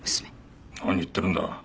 何言ってるんだ。